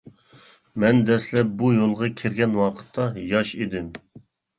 مەن دەسلەپ بۇ يولغا كىرگەن ۋاقىتتا ياش ئىدىم.